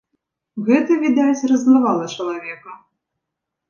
Гэта, відаць, раззлавала чалавека.